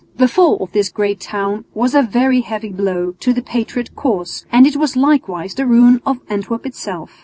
The fall of this great town was a very heavy blow to the patriot cause, and it was likewise the ruin of Antwerp itself.